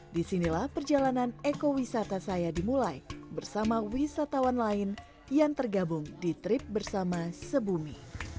disinilah perjalanan ekowisata saya dimulai bersama wisatawan lain yang tergabung di trip bersama sebumi